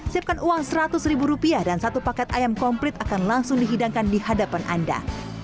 siapkan uang seratus ribu rupiah dan satu paket ayam komplit akan langsung dihidangkan di hadapan anda